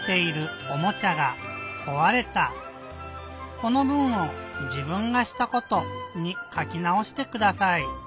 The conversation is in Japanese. この文を「じぶんがしたこと」にかきなおしてください。